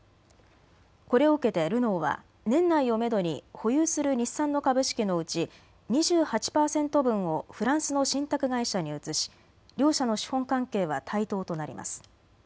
これを受けてルノーは年内をめどに保有する日産の株式のうち２８％分をフランスの信託会社に移し両社の資本関係は対等となります。